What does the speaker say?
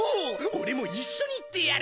オレも一緒に行ってやる。